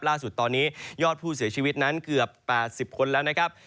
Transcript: ล่าสุดตอนนี้ยอดผู้เสียชีวิตนั้นเกือบ๘๐คนแล้วนะครับ